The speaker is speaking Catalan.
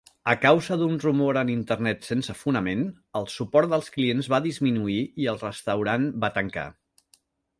A causa d'un rumor en Internet sense fonament, el suport dels clients va disminuir i el restaurant va tancar.